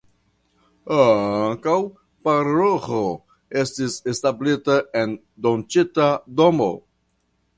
Ankaŭ paroĥo estis establita en doncita domo.